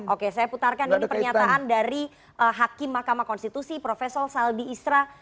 oke saya putarkan ini pernyataan dari hakim mahkamah konstitusi profesor saldi isra